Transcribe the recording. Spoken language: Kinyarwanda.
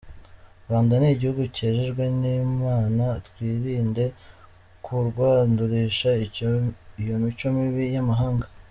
U Rwanda ni igihugu cyejejwe n’Imana, twirinde kurwandurisha iyo mico mibi y’amahanga.